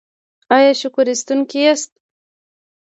ایا شکر ایستونکي یاست؟